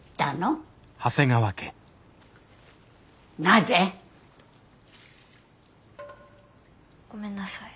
なぜ？ごめんなさい。